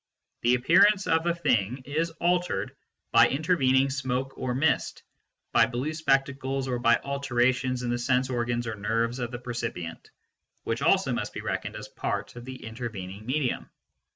The appearance of a thing is altered by intervening smoke or mist, by blue spectacles or by alterations in the sense organs or nerves of the percipient (which also must be reckoned as part of the intervening medium).